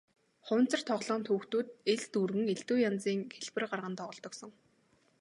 Хуванцар тоглоомд хүүхдүүд элс дүүргэн хийж элдэв янзын хэлбэр гарган тоглодог сон.